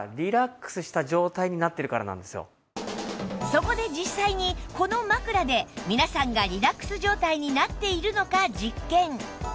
そこで実際にこの枕で皆さんがリラックス状態になっているのか実験